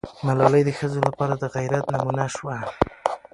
ملالۍ د ښځو لپاره د غیرت نمونه سوه.